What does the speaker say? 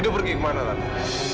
edo pergi kemana tante